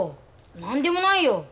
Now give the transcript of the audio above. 何でもないよ。